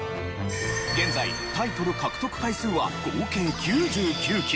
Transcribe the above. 現在タイトル獲得回数は合計９９期。